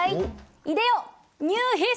いでよニューヒストリー！